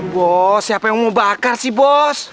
bos siapa yang mau bakar sih bos